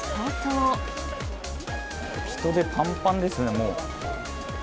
人でぱんぱんですね、もう。